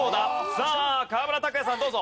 さあ河村拓哉さんどうぞ。